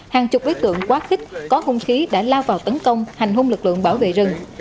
hàng chục đối tượng quá khích có hung khí đã lao vào tấn công hành hung lực lượng bảo vệ rừng